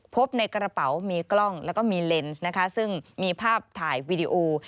พบในกระเป๋ามีกล้องแล้วก็มีเลนส์นะคะซึ่งมีภาพถ่ายวีดีโอ